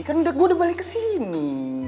kan udah gue udah balik kesini